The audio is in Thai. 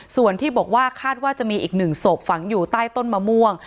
ส่วนที่บอกว่าคาดว่าจะมีอีก๑ศพฝังอยู่ใต้ต้นมะม่วง